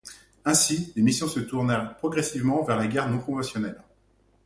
Ainsi, les missions se tournèrent progressivement vers la guerre non-conventionnelle.